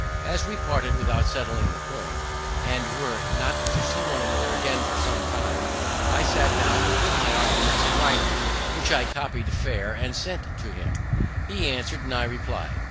As we parted without settling the point, and were not to see one another again for some time, I sat down to put my arguments in writing, which I copied fair and sent to him. He answered, and I replied.